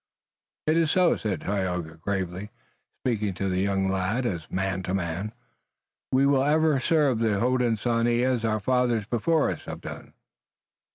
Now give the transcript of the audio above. "It is so," said Tayoga gravely, speaking to the young lad as man to man. "We will ever serve the Hodenosaunee as our fathers before us have done."